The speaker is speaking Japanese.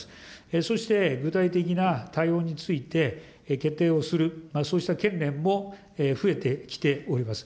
そして、具体的な対応について、決定をする、そうした県連も増えてきております。